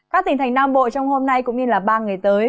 các tỉnh thành nam bộ trong hôm nay cũng như ba ngày tới